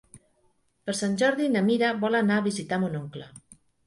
Per Sant Jordi na Mira vol anar a visitar mon oncle.